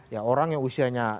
ya orang yang usianya